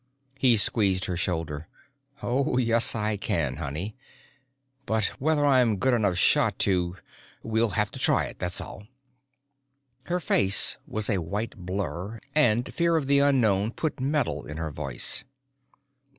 He squeezed her shoulder. "Oh yes I can, honey. But whether I'm a good enough shot to.... We'll have to try it, that's all." Her face was a white blur and fear of the unknown put metal in her voice.